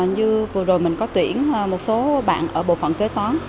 như vừa rồi mình có tuyển một số bạn ở bộ phận kế toán